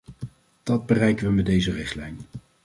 Dat bereiken we met deze richtlijn.